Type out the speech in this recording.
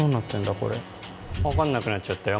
これ分かんなくなっちゃったよ